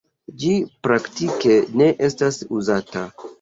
Ĝi praktike ne estas uzata.